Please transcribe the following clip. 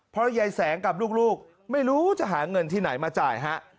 เพราะยายแสงกับลูกไม่รู้จะหาเงินที่ไหนมาจ่ายฮะ